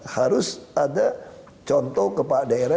harus ada contoh kepala daerah